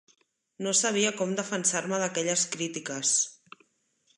No sabia com defensar-me d'aquelles crítiques.